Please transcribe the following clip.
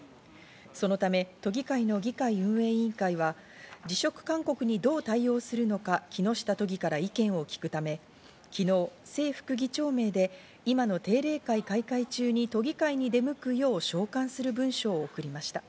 そのため都議会の議会運営委員会は辞職勧告にどう対応するのか木下都議から意見を聞くため、昨日、正副議長名で今の定例会開会中に都議会に出向くよう召喚する文書を送りました。